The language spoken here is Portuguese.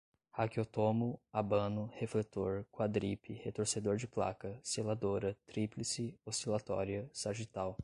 raquiotomo, abano, refletor, quadripe, retorcedor de placa, seladora, tríplice, oscilatória, sagital